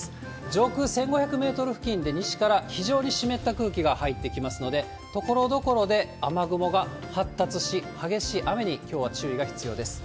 上空１５００メートル付近で、西から非常に湿った空気が入ってきますので、ところどころで雨雲が発達し、激しい雨に、きょうは注意が必要です。